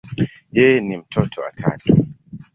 Yeye ni mtoto wa tatu.